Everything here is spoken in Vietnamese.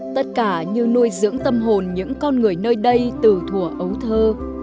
tất cả như nuôi dưỡng tâm hồn những con người nơi đây từ thùa ấu thơ